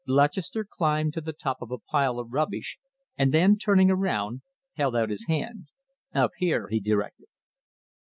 Lutchester climbed to the top of a pile of rubbish and then, turning around, held out his hand. "Up here," he directed.